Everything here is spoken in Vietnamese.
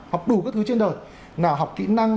học đủ các thứ trên đời nào học kỹ năng